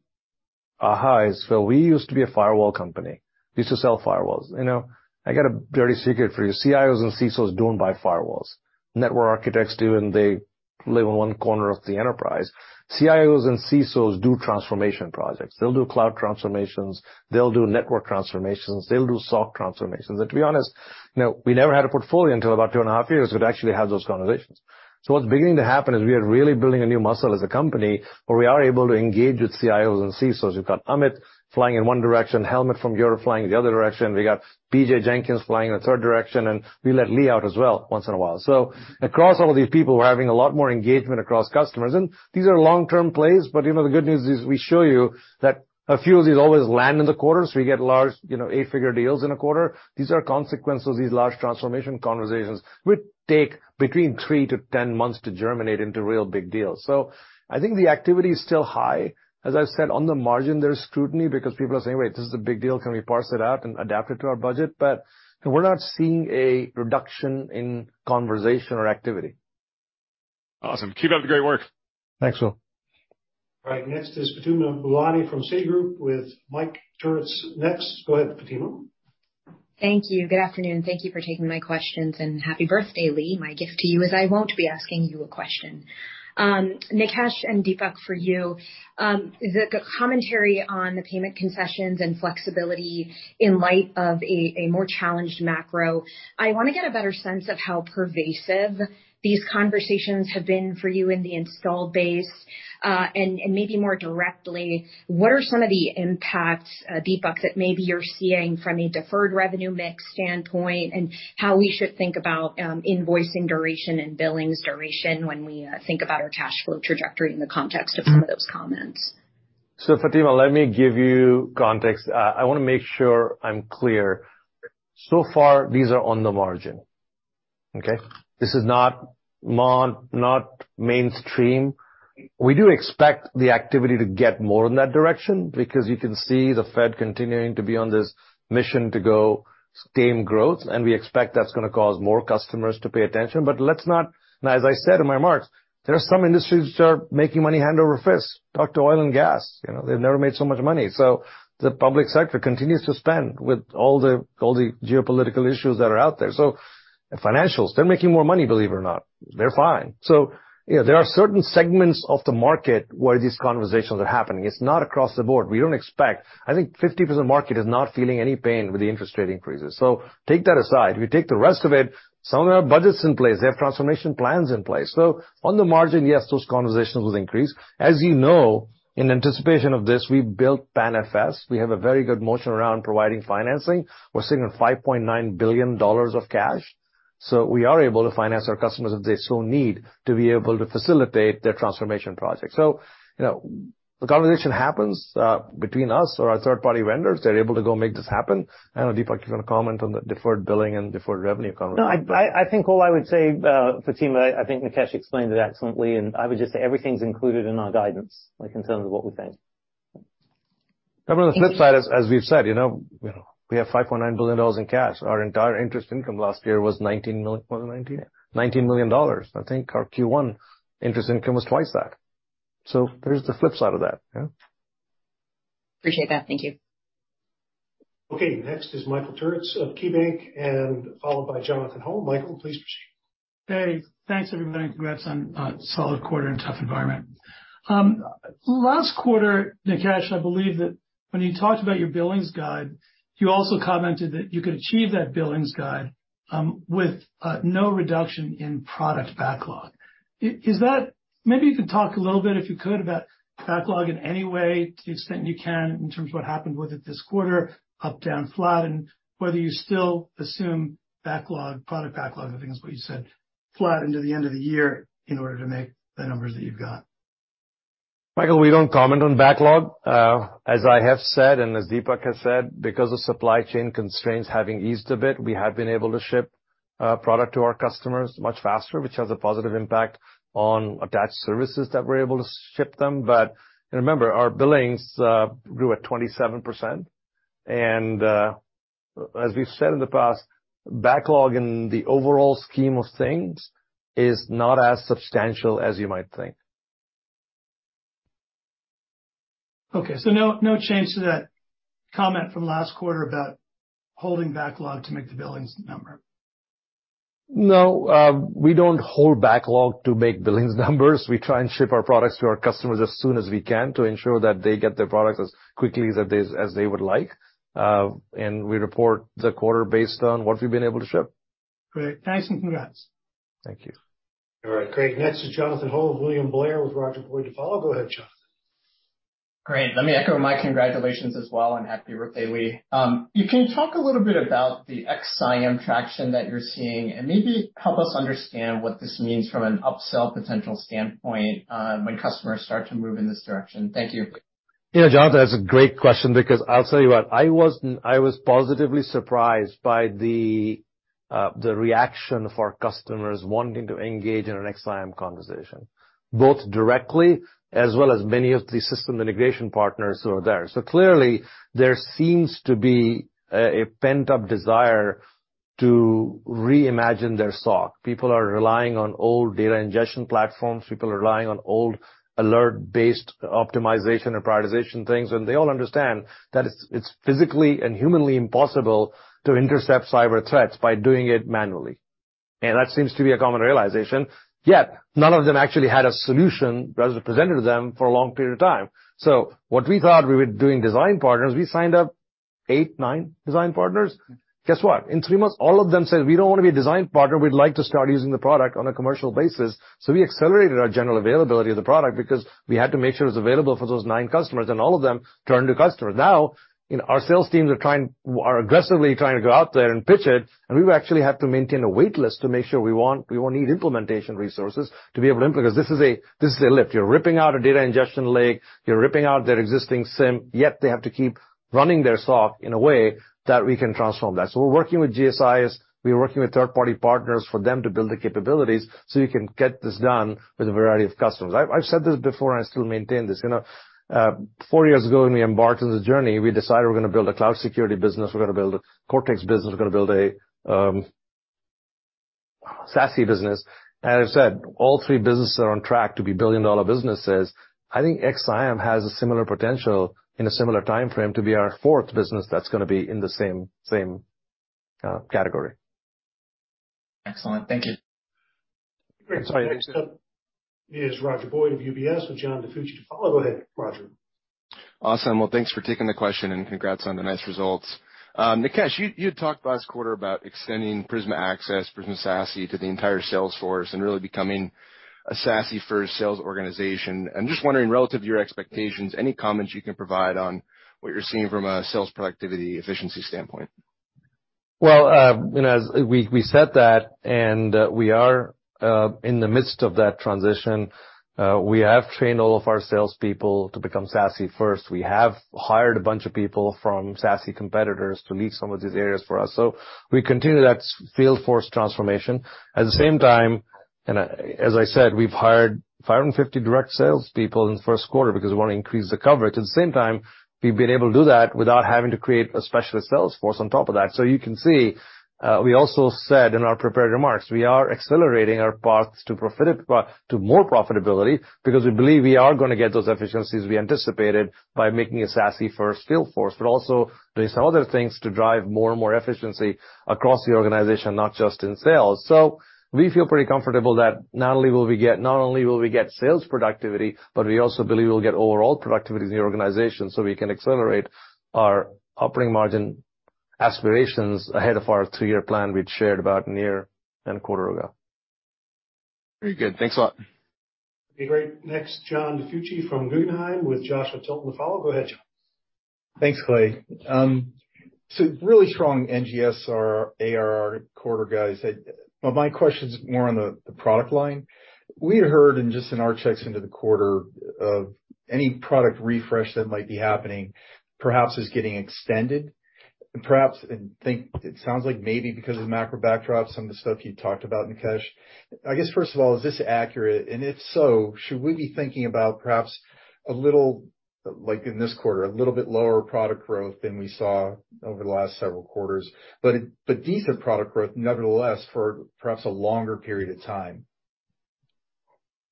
aha is, Phil, we used to be a firewall company. We used to sell firewalls. You know, I got a dirty secret for you. CIOs and CSOs don't buy firewalls. Network architects do, and they live in one corner of the enterprise. CIOs and CSOs do transformation projects. They'll do cloud transformations, they'll do network transformations, they'll do SOC transformations. To be honest, you know, we never had a portfolio until about two and a half years to actually have those conversations. What's beginning to happen is we are really building a new muscle as a company, where we are able to engage with CIOs and CSOs. We've got Amit flying in one direction, Helmut from Europe flying the other direction. We got BJ Jenkins flying in a third direction, and we let Lee out as well once in a while. Across all of these people, we're having a lot more engagement across customers. These are long-term plays, but, you know, the good news is we show you that a few of these always land in the quarter, so we get large, you know, eight-figure deals in a quarter. These are consequences, these large transformation conversations, which take between three months-10 months to germinate into real big deals. I think the activity is still high. As I've said, on the margin, there is scrutiny because people are saying, "Wait, this is a big deal. Can we parse it out and adapt it to our budget?" We're not seeing a reduction in conversation or activity. Awesome. Keep up the great work. Thanks, Phil. All right, next is Fatima Boolani from Citigroup, with Michael Turits next. Go ahead, Fatima. Thank you. Good afternoon. Thank you for taking my questions, and happy birthday, Lee. My gift to you is I won't be asking you a question. Nikesh and Dipak for you. The commentary on the payment concessions and flexibility in light of a more challenged macro, I wanna get a better sense of how pervasive these conversations have been for you in the install base. Maybe more directly, what are some of the impacts, Dipak, that maybe you're seeing from a deferred revenue mix standpoint, and how we should think about invoicing duration and billings duration when we think about our cash flow trajectory in the context of some of those comments? Fatima, let me give you context. I wanna make sure I'm clear. So far, these are on the margin. Okay? This is not mainstream. We do expect the activity to get more in that direction because you can see the Fed continuing to be on this mission to go tame growth, and we expect that's gonna cause more customers to pay attention. Now, as I said in my remarks, there are some industries which are making money hand over fist. Talk to oil and gas. You know, they've never made so much money. The public sector continues to spend with all the geopolitical issues that are out there. Financials, they're making more money, believe it or not. They're fine. You know, there are certain segments of the market where these conversations are happening. It's not across the board. I think 50% of market is not feeling any pain with the interest rate increases. Take that aside. We take the rest of it, some of their budgets in place. They have transformation plans in place. On the margin, yes, those conversations will increase. As you know, in anticipation of this, we built PANFS. We have a very good motion around providing financing. We're sitting on $5.9 billion of cash, so we are able to finance our customers if they so need to be able to facilitate their transformation project. You know, the conversation happens between us or our third-party vendors. They're able to go make this happen. I don't know, Dipak, you wanna comment on the deferred billing and deferred revenue conversation? No, I think all I would say, Fatima. I think Nikesh explained it excellently, and I would just say everything's included in our guidance, like in terms of what we think. Remember, the flip side is, as we've said, you know, we have $5.9 billion in cash. Our entire interest income last year was it 19? $19 million. I think our Q1 interest income was twice that. There's the flip side of that. Yeah. Appreciate that. Thank you. Okay, next is Michael Turits of KeyBanc and followed by Jonathan Ho. Michael, please proceed. Hey, thanks, everybody, and congrats on a solid quarter in a tough environment. Last quarter, Nikesh, I believe that when you talked about your billings guide, you also commented that you could achieve that billings guide with no reduction in product backlog. Maybe you could talk a little bit, if you could, about backlog in any way, to the extent you can, in terms of what happened with it this quarter, up, down, flat, and whether you still assume backlog, product backlog, I think is what you said, flat into the end of the year in order to make the numbers that you've got? Michael, we don't comment on backlog. As I have said, and as Dipak has said, because of supply chain constraints having eased a bit, we have been able to ship product to our customers much faster, which has a positive impact on attached services that we're able to ship them. Remember, our billings grew at 27%. As we've said in the past, backlog in the overall scheme of things is not as substantial as you might think. Okay. No change to that comment from last quarter about holding backlog to make the billings number? No. We don't hold backlog to make billings numbers. We try and ship our products to our customers as soon as we can to ensure that they get their products as quickly as they would like. We report the quarter based on what we've been able to ship. Great. Thanks, and congrats. Thank you. All right. Great. Next is Jonathan Ho of William Blair, with Roger Boyd to follow. Go ahead, Jonathan. Great. Let me echo my congratulations as well, and happy birthday, Lee Klarich. You can talk a little bit about the XSIAM traction that you're seeing and maybe help us understand what this means from an upsell potential standpoint when customers start to move in this direction? Thank you. You know, Jonathan, that's a great question because I'll tell you what, I was positively surprised by the reaction for customers wanting to engage in an XSIAM conversation, both directly as well as many of the system integration partners who are there. Clearly there seems to be a pent-up desire to reimagine their SOC. People are relying on old data ingestion platforms. People are relying on old alert-based optimization and prioritization things, and they all understand that it's physically and humanly impossible to intercept cyber threats by doing it manually. That seems to be a common realization, yet none of them actually had a solution that was presented to them for a long period of time. What we thought we were doing design partners, we signed up eight, nine design partners. Guess what? In three months, all of them said, "We don't wanna be a design partner. We'd like to start using the product on a commercial basis." We accelerated our general availability of the product because we had to make sure it was available for those nine customers, and all of them turned to customers. Now, you know, our sales teams are aggressively trying to go out there and pitch it, and we actually have to maintain a wait list to make sure we won't need implementation resources to be able to implement. 'Cause this is a lift. You're ripping out a data ingestion lake, you're ripping out their existing SIEM, yet they have to keep running their SOC in a way that we can transform that. We're working with GSIs, we're working with third-party partners for them to build the capabilities so we can get this done with a variety of customers. I've said this before, and I still maintain this. You know, four years ago, when we embarked on this journey, we decided we're gonna build a cloud security business, we're gonna build a Cortex business, we're gonna build a SASE business. As I've said, all three businesses are on track to be billion-dollar businesses. I think XSIAM has a similar potential in a similar timeframe to be our fourth business that's gonna be in the same category. Excellent. Thank you. Great. Sorry. Next up is Roger Boyd of UBS, with John DiFucci to follow. Go ahead, Roger. Awesome. Well, thanks for taking the question, and congrats on the nice results. Nikesh, you had talked last quarter about extending Prisma Access, Prisma SASE to the entire sales force and really becoming a SASE-first sales organization. I'm just wondering, relative to your expectations, any comments you can provide on what you're seeing from a sales productivity efficiency standpoint? Well, you know, as we said that, and we are in the midst of that transition. We have trained all of our salespeople to become SASE first. We have hired a bunch of people from SASE competitors to lead some of these areas for us. We continue that sales force transformation. At the same time, as I said, we've hired 550 direct sales people in the first quarter because we want to increase the coverage. At the same time, we've been able to do that without having to create a specialist sales force on top of that. You can see, we also said in our prepared remarks, we are accelerating our paths to more profitability because we believe we are gonna get those efficiencies we anticipated by making a SASE-first field force, but also doing some other things to drive more and more efficiency across the organization, not just in sales. We feel pretty comfortable that not only will we get sales productivity, but we also believe we'll get overall productivity in the organization so we can accelerate our operating margin aspirations ahead of our two-year plan we'd shared about a year and a quarter ago. Very good. Thanks a lot. Okay, great. Next, John DiFucci from Guggenheim with Joshua Tilton to follow. Go ahead, John. Thanks, Clay. Really strong NGS ARR quarter, guys. My question is more on the product line. We heard and just in our checks into the quarter of any product refresh that might be happening perhaps is getting extended, perhaps, and think it sounds like maybe because of the macro backdrop, some of the stuff you talked about, Nikesh. I guess, first of all, is this accurate? If so, should we be thinking about perhaps a little like in this quarter, a little bit lower product growth than we saw over the last several quarters, but decent product growth nevertheless for perhaps a longer period of time?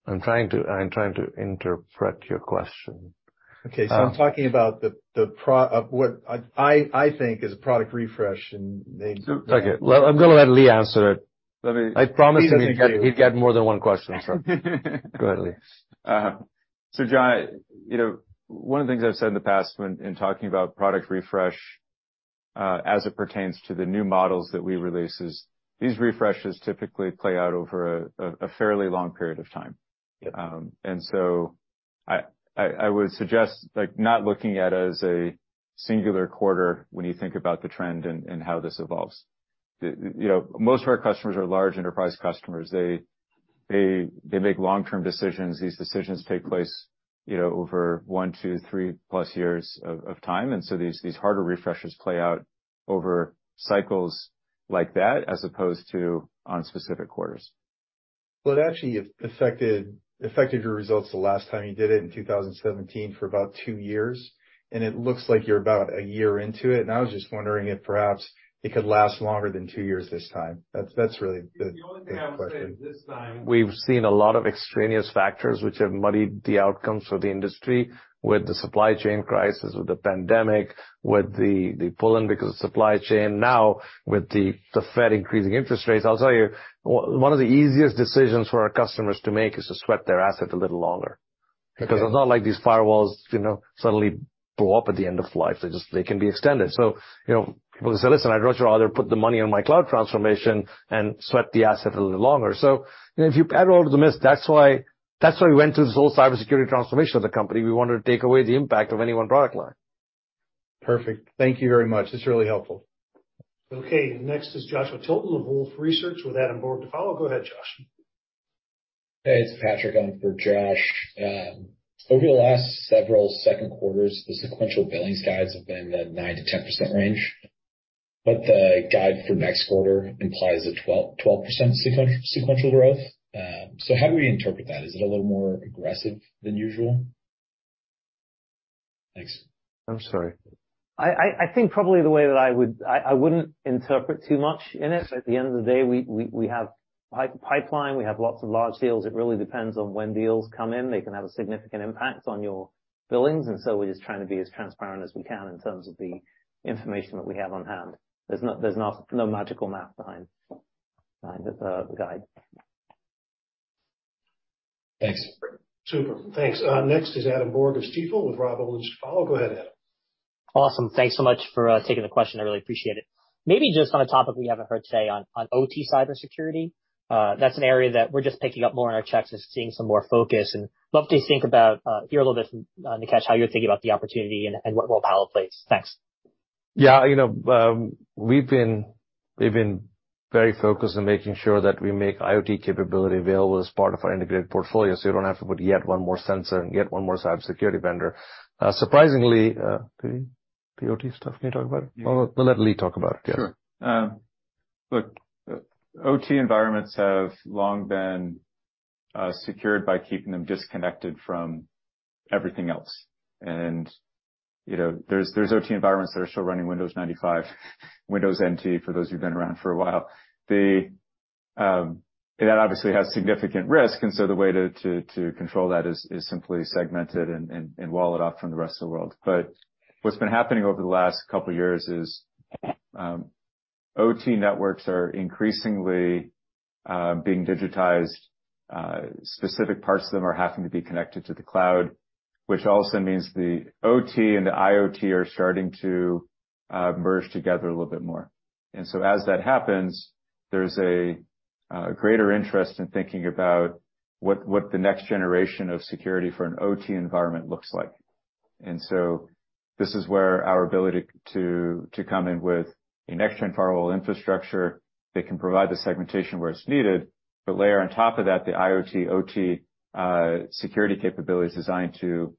I'm trying to interpret your question. Okay. I'm talking about what I think is a product refresh. Okay. Well, I'm gonna let Lee answer it. Let me. I promised him he'd get more than one question. Go ahead, Lee. John, you know, one of the things I've said in the past when in talking about product refresh as it pertains to the new models that we release is these refreshes typically play out over a fairly long period of time. Yeah. I would suggest, like, not looking at it as a singular quarter when you think about the trend and how this evolves. You know, most of our customers are large enterprise customers. They make long-term decisions. These decisions take place, you know, over one, two, 3+ years of time. These hardware refreshes play out over cycles like that, as opposed to on specific quarters. Well, it actually affected your results the last time you did it in 2017 for about two years, and it looks like you're about a year into it. I was just wondering if perhaps it could last longer than two years this time. That's really the question. The only thing I would say is this time we've seen a lot of extraneous factors which have muddied the outcomes for the industry with the supply chain crisis, with the pandemic, with the pull-in because of supply chain. Now with the Fed increasing interest rates, I'll tell you, one of the easiest decisions for our customers to make is to sweat their asset a little longer. Because it's not like these firewalls, you know, suddenly blow up at the end of life. They can be extended. You know, people say, listen, I'd rather put the money on my cloud transformation and sweat the asset a little longer. You know, if you add all of the midst, that's why we went through this whole cybersecurity transformation of the company. We wanted to take away the impact of any one product line. Perfect. Thank you very much. It's really helpful. Okay. Next is Joshua Tilton of Wolfe Research, with Adam Borg to follow. Go ahead, Josh. Hey, it's Patrick on for Josh. Over the last several second quarters, the sequential billings guides have been the 9%-10% range. The guide for next quarter implies a 12% sequential growth. How do we interpret that? Is it a little more aggressive than usual? Thanks. I'm sorry. I wouldn't interpret too much in it. At the end of the day, we have pipeline, we have lots of large deals. It really depends on when deals come in. They can have a significant impact on your billings. We're just trying to be as transparent as we can in terms of the information that we have on hand. There's no magical math behind the guide. Thanks. Super. Thanks. Next is Adam Borg of Stifel with Rob Owens to follow. Go ahead, Adam. Awesome. Thanks so much for taking the question. I really appreciate it. Maybe just on a topic we haven't heard today on OT cybersecurity. That's an area that we're just picking up more in our checks and seeing some more focus. Love to hear a little bit from Nikesh how you're thinking about the opportunity and what role Palo plays. Thanks. Yeah. You know, um, we've been, we've been very focused on making sure that we make IoT capability available as part of our integrated portfolio, so you don't have to put yet one more sensor and yet one more cybersecurity vendor. Uh, surprisingly, uh, the OT stuff, can you talk about it? Yes. Well, we'll let Lee talk about it. Yes. Sure. Look, OT environments have long been secured by keeping them disconnected from everything else. You know, there's OT environments that are still running Windows 95, Windows NT, for those who've been around for a while. That obviously has significant risk, and so the way to control that is simply segment it and wall it off from the rest of the world. What's been happening over the last couple of years is OT networks are increasingly being digitized. Specific parts of them are having to be connected to the cloud, which also means the OT and the IoT are starting to merge together a little bit more. As that happens, there's a greater interest in thinking about what the next generation of security for an OT environment looks like. This is where our ability to come in with a next-gen firewall infrastructure that can provide the segmentation where it's needed, but layer on top of that the IoT, O.T. security capabilities designed to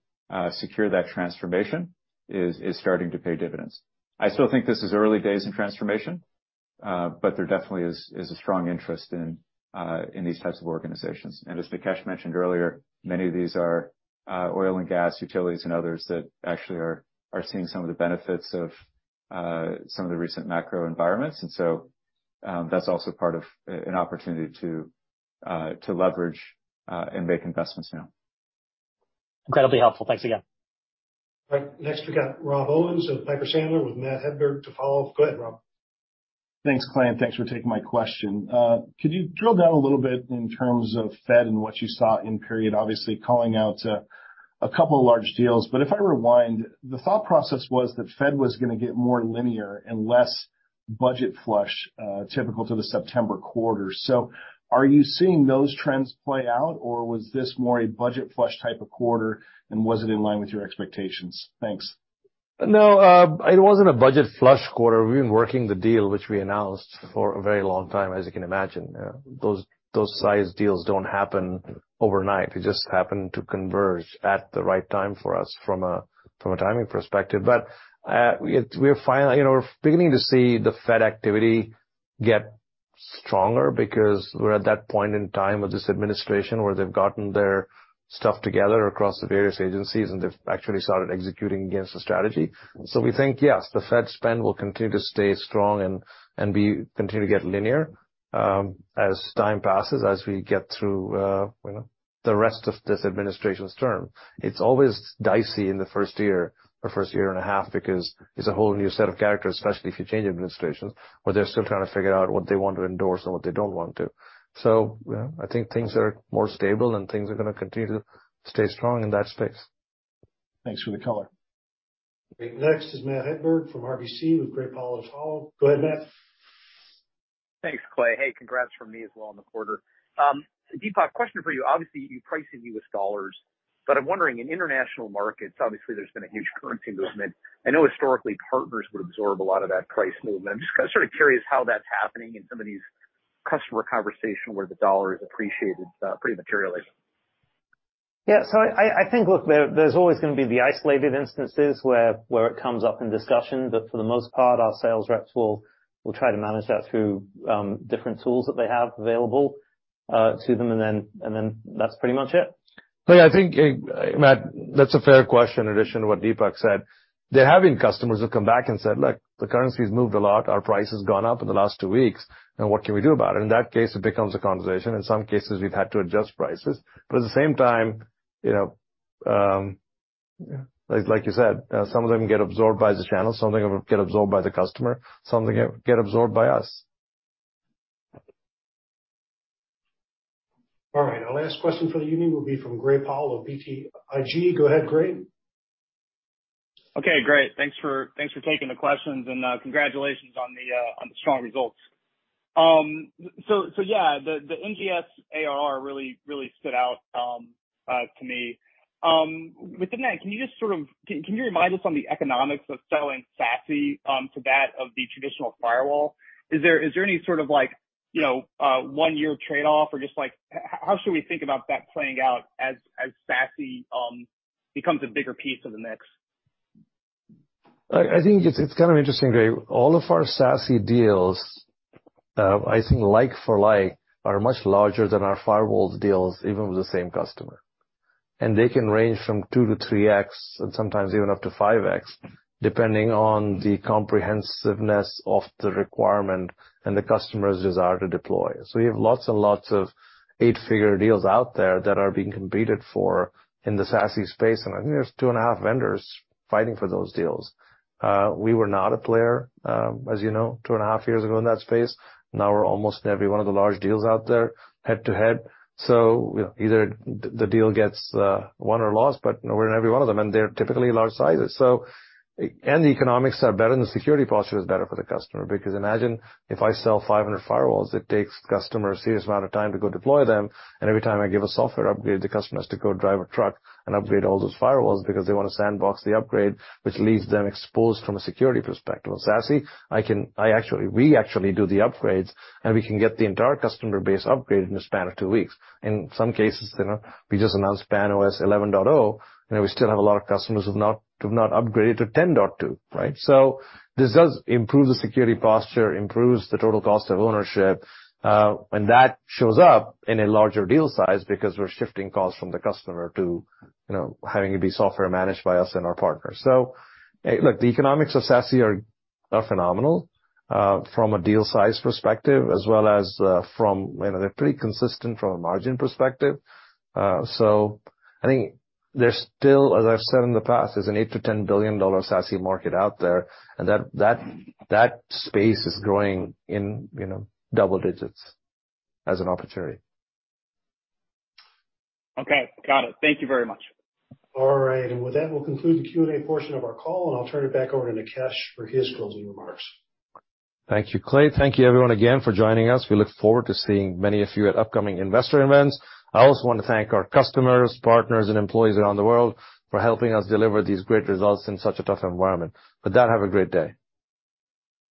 secure that transformation. Is starting to pay dividends. I still think this is early days in transformation, but there definitely is a strong interest in these types of organizations. As Nikesh mentioned earlier, many of these are oil and gas, utilities, and others that actually are seeing some of the benefits of some of the recent macro environments. That's also part of an opportunity to leverage and make investments now. Incredibly helpful. Thanks again. All right, next we got Rob Owens of Piper Sandler with Matthew Hedberg to follow. Go ahead, Rob. Thanks, Clay, and thanks for taking my question. Could you drill down a little bit in terms of Fed and what you saw in period, obviously calling out a couple of large deals? If I rewind, the thought process was that Fed was gonna get more linear and less budget flush, typical to the September quarter. Are you seeing those trends play out, or was this more a budget flush type of quarter, and was it in line with your expectations? Thanks. No, it wasn't a budget flush quarter. We've been working the deal, which we announced for a very long time, as you can imagine. Those size deals don't happen overnight. They just happened to converge at the right time for us from a timing perspective. You know, we're beginning to see the Fed activity get stronger because we're at that point in time of this administration where they've gotten their stuff together across the various agencies, and they've actually started executing against the strategy. We think, yes, the Fed spend will continue to stay strong and continue to get linear as time passes, as we get through, you know, the rest of this administration's term. It's always dicey in the first year or first year and a half because it's a whole new set of characters, especially if you change administrations, where they're still trying to figure out what they want to endorse and what they don't want to. You know, I think things are more stable and things are gonna continue to stay strong in that space. Thanks for the color. Great. Next is Matthew Hedberg from RBC with Gray Powell to follow. Go ahead, Matt. Thanks, Clay. Hey, congrats from me as well on the quarter. Dipak, question for you. Obviously, you price in U.S. dollars, but I'm wondering, in international markets, obviously there's been a huge currency movement. I know historically partners would absorb a lot of that price movement. I'm just kinda sorta curious how that's happening in some of these customer conversation where the dollar has appreciated pretty materially. Yeah. I think, look, there's always gonna be the isolated instances where it comes up in discussion. For the most part, our sales reps will try to manage that through different tools that they have available to them. That's pretty much it. I think, Matt, that's a fair question in addition to what Dipak said. They're having customers who've come back and said, Look, the currency's moved a lot. Our price has gone up in the last two weeks. Now what can we do about it? In that case, it becomes a conversation. In some cases, we've had to adjust prices. At the same time, you know, like you said, some of them get absorbed by the channel, some of them get absorbed by the customer, some of them get absorbed by us. All right. Our last question for the evening will be from Gray Powell of BTIG. Go ahead, Gray. Okay, great. Thanks for taking the questions and congratulations on the strong results. The NGS ARR really stood out to me. Within that, can you remind us on the economics of selling SASE to that of the traditional firewall? Is there any sort of like, you know, one-year trade-off or just like how should we think about that playing out as SASE becomes a bigger piece of the mix? I think it's kind of interesting, Gray. All of our SASE deals, I think like-for-like, are much larger than our firewall deals, even with the same customer. They can range from 2x-3x and sometimes even up to 5x, depending on the comprehensiveness of the requirement and the customer's desire to deploy. We have lots and lots of eight-figure deals out there that are being competed for in the SASE space, and I think there's 2.5 vendors fighting for those deals. We were not a player, as you know, 2.5 years ago in that space. Now we're almost in every one of the large deals out there head-to-head. You know, either the deal gets won or lost, but we're in every one of them, and they're typically large sizes. The economics are better, and the security posture is better for the customer because imagine if I sell 500 firewalls, it takes the customer a serious amount of time to go deploy them, and every time I give a software upgrade, the customer has to go drive a truck and upgrade all those firewalls because they wanna sandbox the upgrade, which leaves them exposed from a security perspective. With SASE, we actually do the upgrades, and we can get the entire customer base upgraded in a span of two weeks. In some cases, you know, we just announced PAN-OS 11.0, and we still have a lot of customers who've not upgraded to 10.2, right? This does improve the security posture, improves the total cost of ownership, and that shows up in a larger deal size because we're shifting costs from the customer to, you know, having it be software managed by us and our partners. Look, the economics of SASE are phenomenal from a deal size perspective, as well as from, you know, they're pretty consistent from a margin perspective. I think there's still, as I've said in the past, there's an $8 billion-$10 billion SASE market out there, and that space is growing in, you know, double digits as an opportunity. Okay. Got it. Thank you very much. All right. With that, we'll conclude the Q&A portion of our call, and I'll turn it back over to Nikesh for his closing remarks. Thank you, Clay. Thank you, everyone, again for joining us. We look forward to seeing many of you at upcoming investor events. I also want to thank our customers, partners, and employees around the world for helping us deliver these great results in such a tough environment. With that, have a great day.